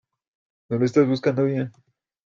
No lo estas buscando bien.